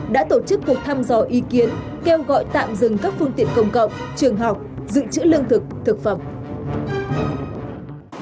đã tổ chức cuộc thăm dò ý kiến kêu gọi tạm dừng các phương tiện công cộng trường học dự trữ lương thực thực phẩm